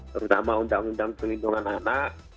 terutama undang undang perlindungan anak